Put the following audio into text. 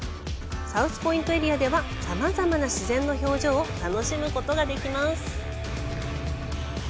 サウスポイントエリアではさまざまな自然の表情を楽しむことができます。